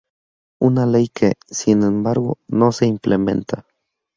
Una ley que, sin embargo, no se implementa.